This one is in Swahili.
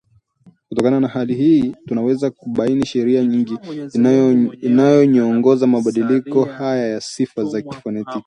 Kutokana na hali hii tunaweza kubaini sheria nyingine inayoongoza mabadiliko haya ya sifa za kifonetiki